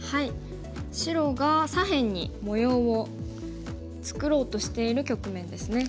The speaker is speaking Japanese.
白が左辺に模様を作ろうとしている局面ですね。